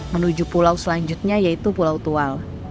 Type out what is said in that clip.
menuju pulau selanjutnya yaitu pulau tual